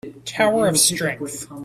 Tower of strength